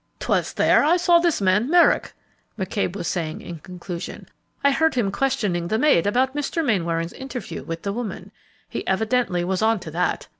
"'Twas there I saw this man Merrick," McCabe was saying in conclusion. "I heard him questioning the maid about Mr. Mainwaring's interview with the woman; he evidently was onto that.